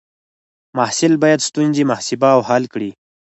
محصل باید ستونزې محاسبه او حل کړي.